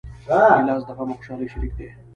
ګیلاس د غم او خوشحالۍ شریک دی.